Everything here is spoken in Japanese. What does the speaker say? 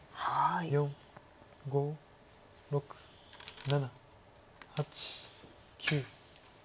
４５６７８９。